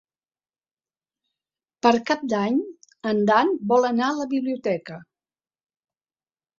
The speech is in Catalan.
Per Cap d'Any en Dan vol anar a la biblioteca.